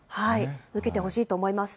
受けてほしいと思います。